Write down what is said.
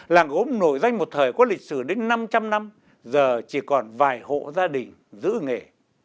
làng gốm nổi danh một thời có lịch sử đến năm trăm linh năm giờ chỉ còn vài hộ gia đình giữ nghề